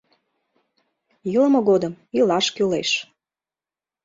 Илыме годым илаш кӱлеш.